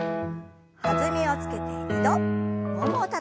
弾みをつけて２度ももをたたいて。